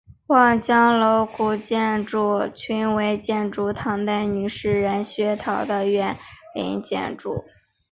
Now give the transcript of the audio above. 望江楼古建筑群为纪念唐代女诗人薛涛的园林建筑。